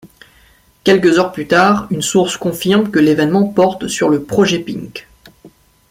Quelques heures plus tard une source confirme que l'événement porte sur le projet Pink.